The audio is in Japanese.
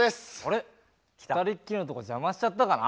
２人っきりのとこ邪魔しちゃったかな？